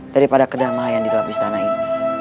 daripada kedamaian di dalam istana ini